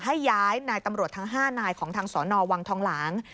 ให้ย้ายนายตำรวจทั้ง๕นายของทางสนวังทองหลาง